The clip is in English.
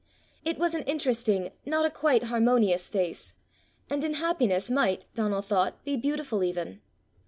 It was an interesting not a quite harmonious face, and in happiness might, Donal thought, be beautiful even.